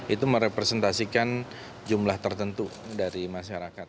itu merepresentasikan jumlah tertentu dari masyarakat